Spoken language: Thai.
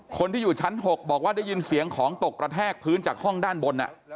คนที่อยู่ชั้น๖บอกว่าได้ยินเสียงของตกกระแทกพื้นจากห้องด้านบน